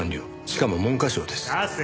しかも文科省です。